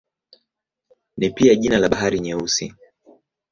Ni pia jina la Bahari Nyeusi.